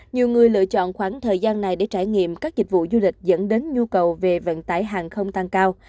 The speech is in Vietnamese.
nhiều người lựa chọn khoảng thời gian này để trải nghiệm các dịch vụ du lịch dẫn đến nhu cầu về vận tải hàng không tăng cao